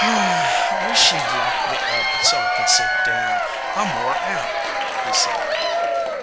"Wish ye d lock me up, so I can set down. I m wore out," he said.